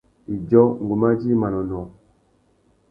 Idjô, ngu mà djï manônōh.